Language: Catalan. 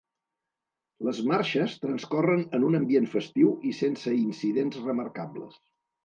Les marxes transcorren en un ambient festiu i sense incidents remarcables.